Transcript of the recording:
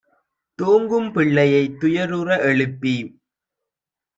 தூங்கும் பிள்ளையைத் துயருற எழுப்பி